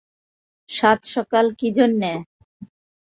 সাত-সকাল কী জন্যে?